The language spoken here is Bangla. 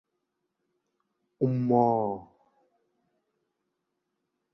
তারা প্রত্যেকেই পাকিস্তানের বিপক্ষে এ গৌরবের অধিকারী হন।